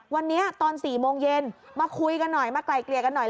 วันนี้ตอน๔โมงเย็นมาคุยกันหน่อยมาไกลเกลี่ยกันหน่อย